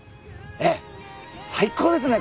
ええ最高ですね